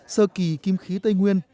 sơ kỳ kim khí tây nguyên